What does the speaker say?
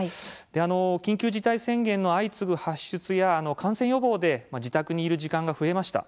緊急事態宣言の相次ぐ発出や感染予防で自宅にいる時間が増えました。